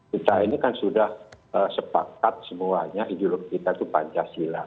kita ini kan sudah sepakat semuanya ideologi kita itu pancasila